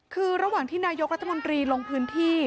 คือระหว่างที่นายกรัฐมนตรีลงพื้นที่